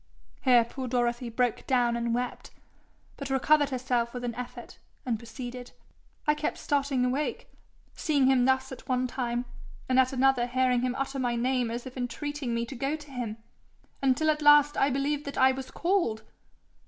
Here poor Dorothy broke down and wept, but recovered herself with an effort, and proceeded. 'I kept starting awake, seeing him thus at one time, and at another hearing him utter my name as if entreating me to go to him, until at last I believed that I was called.'